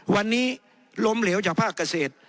วันนี้ล้มเหลวจากภาคเกษตร